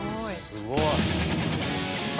すごい。